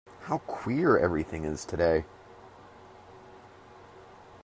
How queer everything is to-day!